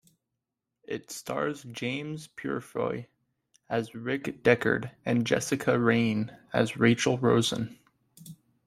It stars James Purefoy as Rick Deckard and Jessica Raine as Rachael Rosen.